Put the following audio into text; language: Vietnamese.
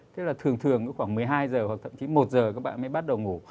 tức là thường thường khoảng một mươi hai giờ hoặc thậm chí một giờ các bạn mới bắt đầu ngủ